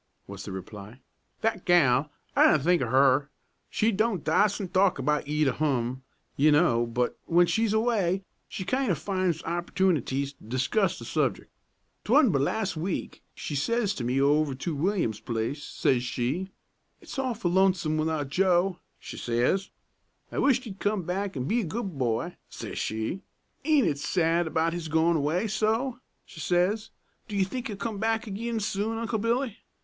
was the reply; "that gal I didn't think o' her. She don't da's't talk about ye to hum, ye know, but w'en she's away she kind o' finds opportetunities to discuss the subjec'. 'Twa'n't but last week she says to me over to Williams's place, says she, 'It's awful lonesome without Joe,' she says. 'I wisht he'd come back an' be a good boy,' says she. 'Aint it sad about his goin' away so?' she says. 'Do you think he'll come back agin soon, Uncle Billy?